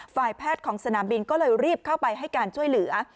ฝ่ายแพทย์ของสนามบินก็เลยรีบเข้าไปให้การช่วยเหลือ